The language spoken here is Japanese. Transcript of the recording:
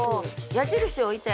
矢印置いて。